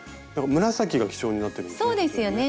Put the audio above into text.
紫が基調になってるんですね。